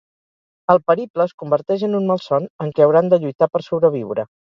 El periple es converteix en un malson en què hauran de lluitar per sobreviure.